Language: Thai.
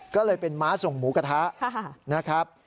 ก็เลยเป็นม้าส่งหมูกระทะนะครับ